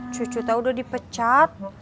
cucu tuh udah dipecat